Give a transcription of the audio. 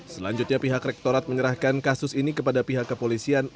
selanjutnya pihak rektorat menyerahkan kasus ini kepada pihak kepolisian